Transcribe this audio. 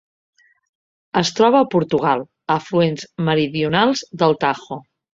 Es troba a Portugal: afluents meridionals del Tajo.